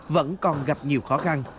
vẫn còn gặp nhiều khó khăn